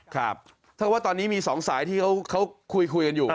ครับถ้าว่าตอนนี้มี๒สายที่เขาคุยกันอยู่